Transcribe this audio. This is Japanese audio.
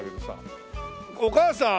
お母さん。